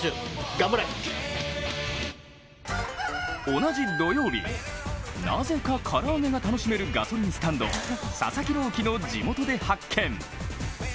同じ土曜日、なぜか唐揚げが楽しめるガソリンスタンドを佐々木朗希の地元で発見。